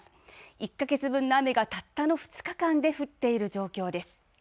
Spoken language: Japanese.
１か月分の雨がたったの２日間で降っている状況です。